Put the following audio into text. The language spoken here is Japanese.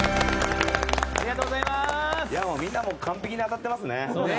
みんな完璧に当たってますね。